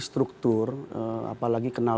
struktur apalagi kenal